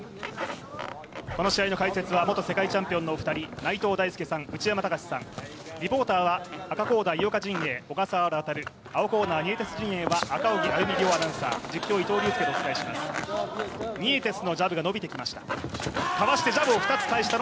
この試合の解説は元世界チャンピオンのお二人内藤大助さん、内山高志さん、リポーターは赤コーナー井岡陣営、小笠原亘、青コーナーは赤荻歩アナウンサー実況、伊藤隆佑でお伝えします。